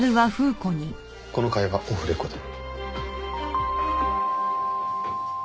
この会話オフレコで。